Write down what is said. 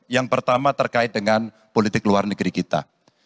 yang pertama terkait dengan politik luar negeri kita